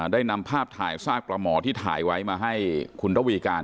ได้นำภาพถ่ายซากปลาหมอที่ถ่ายไว้มาให้คุณระวีการ